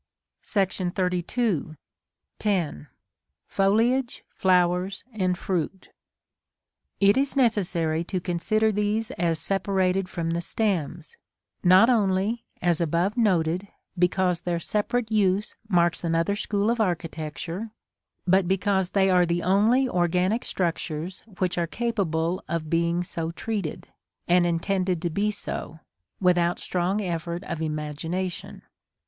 § XXXII. 10. Foliage, Flowers, and Fruit. It is necessary to consider these as separated from the stems; not only, as above noted, because their separate use marks another school of architecture, but because they are the only organic structures which are capable of being so treated, and intended to be so, without strong effort of imagination.